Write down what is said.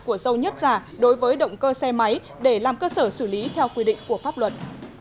của dầu nhất giả đối với động cơ xe máy để làm cơ sở xử lý theo quy định của pháp luật